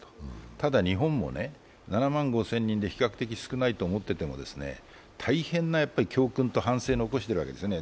ただ日本も７万５０００人で比較的少ないと思っていても大変な反省と教訓を起こしているんですね。